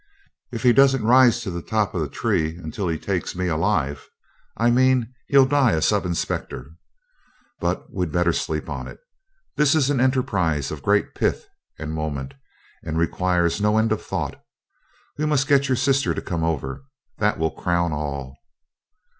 'If he doesn't rise to the top of the tree until he takes me alive, I mean he'll die a sub inspector. But we'd better sleep on it. This is an enterprise of great pith and moment, and requires no end of thought. We must get your sister to come over. That will crown all.'